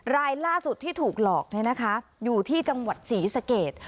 รายล่าสุดที่ถูกหลอกอยู่ที่จังหวัดศรีสเกต